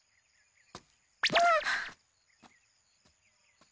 あっ。